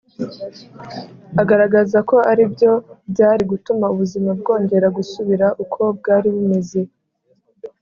agaragaza ko ari byo byari gutuma ubuzima bwongera gusubira uko bwari bumeze.